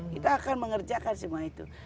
kita akan mengerjakan semua itu